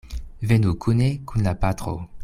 Venu kune kun la patro.